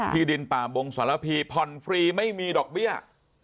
ดินป่าบงสารพีผ่อนฟรีไม่มีดอกเบี้ย